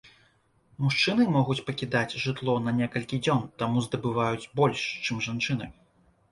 Мужчыны могуць пакідаць жытло на некалькі дзён, таму здабываюць больш, чым жанчыны.